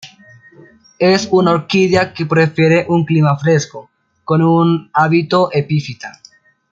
Es una orquídea que prefiere un clima fresco, con un hábito epífita.